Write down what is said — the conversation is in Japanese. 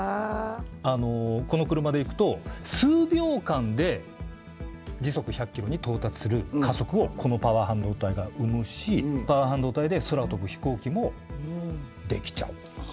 この車でいくと数秒間で時速１００ｋｍに到達する加速をこのパワー半導体がうむしパワー半導体で空を飛ぶ飛行機も出来ちゃう。